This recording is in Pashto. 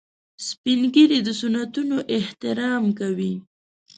سپین ږیری د سنتونو احترام کوي